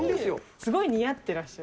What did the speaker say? すごい似合ってらっしゃる。